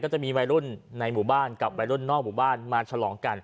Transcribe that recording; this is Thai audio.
จะมีวัยรุ่นในหมู่บ้านกับวัยรุ่นนอกหมู่บ้านมาฉลองกัน